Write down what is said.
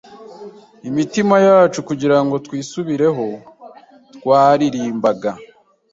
imitima yacu kugirango twisubireho Twaririmbaga